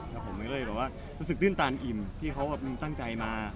เรารู้สึกตื่นตานอิ่มที่เขาตั้งใจมา